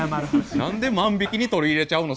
何で万引きに取り入れちゃうの。